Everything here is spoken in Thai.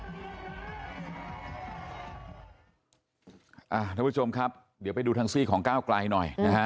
ท่านผู้ชมครับเดี๋ยวไปดูทางซี่ของก้าวไกลหน่อยนะฮะ